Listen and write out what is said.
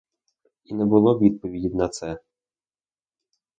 І не було відповіді на це!